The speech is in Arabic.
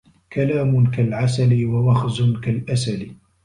كلام كالعسل ووغزٌ كالأسل